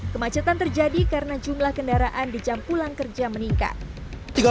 kemacetan terjadi karena jumlah kendaraan di jam pulang kerja meningkat